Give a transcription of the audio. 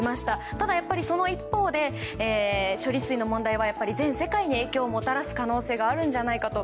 ただ、やっぱりその一方で、処理水の問題は全世界に影響をもたらす可能性があるんじゃないかと。